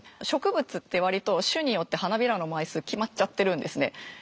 植物って割と種によって花びらの枚数決まっちゃってるんですね。